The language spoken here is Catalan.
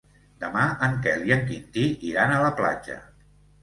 Demà en Quel i en Quintí iran a la platja.